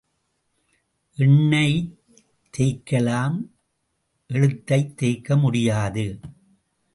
எண்ணெயைத் தேய்க்கலாம் எழுத்தைத் தேய்க்க முடியாது.